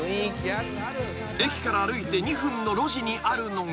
［駅から歩いて２分の路地にあるのが］